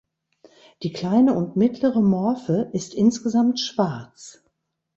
Die kleine und mittlere Morphe ist insgesamt schwarz.